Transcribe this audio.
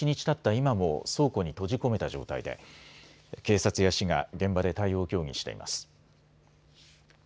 今も倉庫に閉じ込めた状態で警察や市が現場で対応を協議しています。